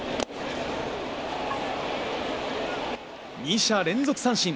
２者連続三振。